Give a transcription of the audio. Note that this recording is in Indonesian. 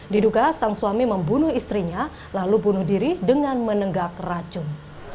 diduga sang suami membunuh istrinya lalu bunuh diri dengan menenggak racun